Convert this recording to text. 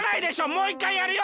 もういっかいやるよ！